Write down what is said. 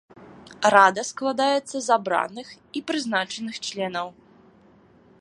Рада складаецца з абраных і прызначаных членаў.